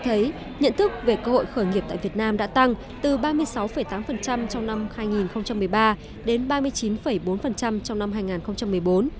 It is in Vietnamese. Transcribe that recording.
nhận thấy nhận thức về cơ hội khởi nghiệp tại việt nam đã tăng từ ba mươi sáu tám trong năm hai nghìn một mươi ba đến ba mươi chín bốn trong năm hai nghìn một mươi bốn